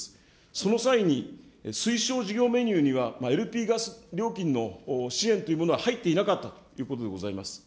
その際に、推奨事業メニューにはＬＰガス料金の支援というものは入っていなかったということでございます。